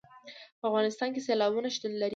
په افغانستان کې سیلابونه شتون لري.